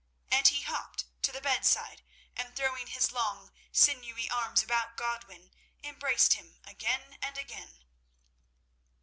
And he hopped to the bedside, and throwing his long, sinewy arms about Godwin embraced him again and again.